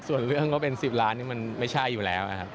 ส่วนเรื่องก็เป็น๑๐ล้านนี่มันไม่ใช่อยู่แล้วนะครับ